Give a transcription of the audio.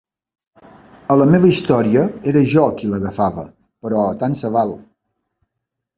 A la meva història era jo qui l'agafava, però tant se val.